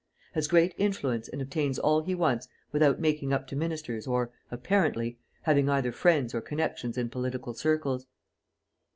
Has great influence and obtains all he wants without making up to ministers or, apparently, having either friends or connections in political circles."